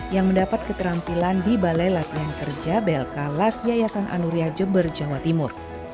yang mendapat keterampilan di balai latihan kerja belka las yayasan anuria jeber jawa timur